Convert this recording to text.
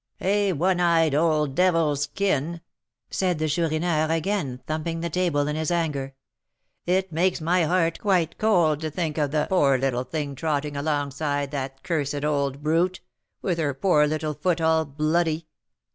"A one eyed old devil's kin!" said the Chourineur, again thumping the table in his anger. "It makes my heart quite cold to think of the poor little thing trotting along beside that cursed old brute, with her poor little foot all bloody!"